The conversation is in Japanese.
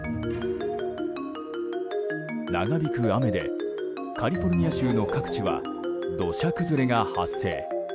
長引く雨でカリフォルニア州の各地は土砂崩れが発生。